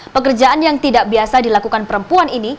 pekerjaan yang tidak biasa dilakukan perempuan ini